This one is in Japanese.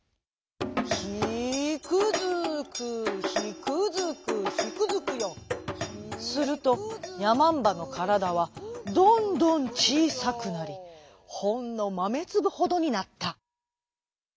「ヒクヅクヒクヅクヒクヅクヨ」するとやまんばのからだはどんどんちいさくなりほんのまめつぶほどになった。